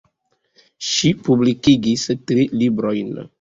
Ŝi publikigis tri librojn.